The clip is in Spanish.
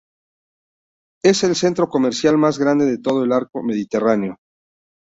Es el centro comercial más grande de todo el arco Mediterráneo.